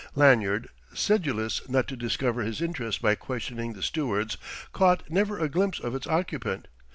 Lanyard, sedulous not to discover his interest by questioning the stewards, caught never a glimpse of its occupant.